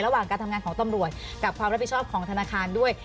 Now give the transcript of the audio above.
ระหว่างการทำงานของตำรวจกับความรับผิดชอบของธนาคารด้วย